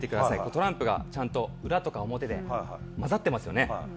トランプがちゃんと裏とか表で交ざってますよね。